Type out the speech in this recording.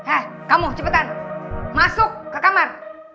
eh kamu cepetan masuk ke kamar